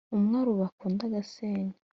Umwe arubaka undi agasenya,